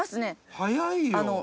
早いよ。